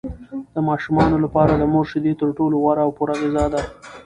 د ماشومانو لپاره د مور شیدې تر ټولو غوره او پوره غذا ده.